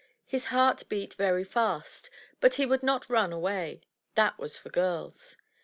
His heart beat very fast, but he would not run away, — that was for girls.